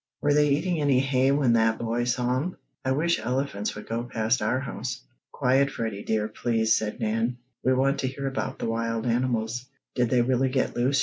Were they eating any hay when that boy saw 'em? I wish elephants would go past our house." "Quiet, Freddie dear, please," said Nan. "We want to hear about the wild animals. Did they really get loose?"